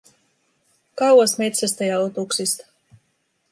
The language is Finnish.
Kauas metsästä ja otuksista.